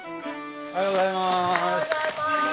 おはようございまーす。